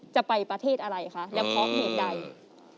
จะไปประเทศอะไรคะแล้วเพราะเหตุใด